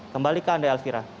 kembalikan anda elvira